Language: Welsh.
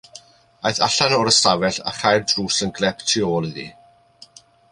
Aeth allan o'r ystafell a chau'r drws yn glep tu ôl iddi.